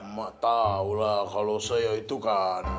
mak tahulah kalau saya itu kan